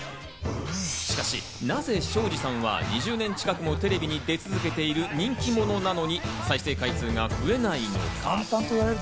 しかし、なぜ庄司さんは２０年近くもテレビに出続けている人気者なのに再生回数が増えないのか。